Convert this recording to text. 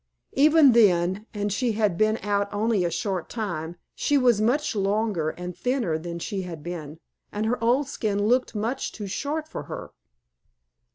Even then, and she had been out only a short time, she was much longer and thinner than she had been, and her old skin looked much too short for her.